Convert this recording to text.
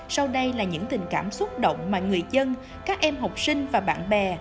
sau đây là những tình cảm xúc động mà người dân các em học sinh và bạn bè